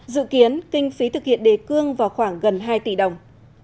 dự kiến kinh phí thực hiện đề cương vào khoảng gần hai tỷ đồng